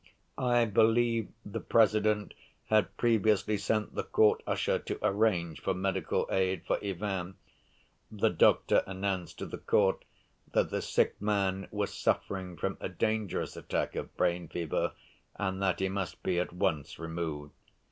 I believe the President had previously sent the court usher to arrange for medical aid for Ivan. The doctor announced to the court that the sick man was suffering from a dangerous attack of brain fever, and that he must be at once removed.